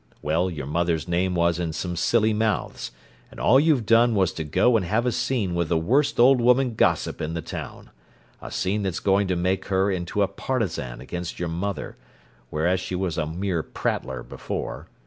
Well, your mother's name was in some silly mouths, and all you've done was to go and have a scene with the worst old woman gossip in the town—a scene that's going to make her into a partisan against your mother, whereas she was a mere prattler before.